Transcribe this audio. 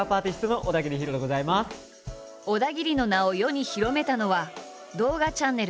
小田切の名を世に広めたのは動画チャンネル。